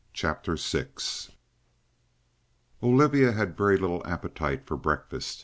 CHAPTER VI Olivia had very little appetite for breakfast.